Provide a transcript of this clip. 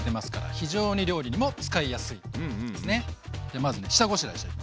まずね下ごしらえしていきます。